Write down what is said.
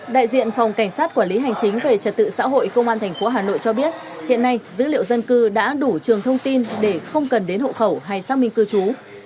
đại diện phòng cảnh sát quản lý hành chính về trật tự xã hội công an tp hà nội cho biết hiện nay dữ liệu dân cư đã đủ trường thông tin để không cần đến hộ khẩu hay xác minh cư trú